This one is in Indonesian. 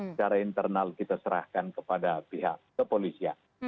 secara internal kita serahkan kepada pihak kepolisian